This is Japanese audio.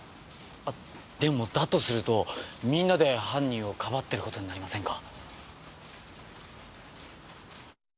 でもだとするとみんなで犯人をかばってる事になりませんか？